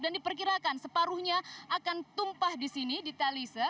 dan diperkirakan separuhnya akan tumpah di sini di taluse